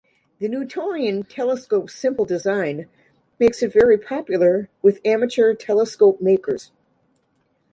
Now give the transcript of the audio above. The Newtonian telescope's simple design makes it very popular with amateur telescope makers.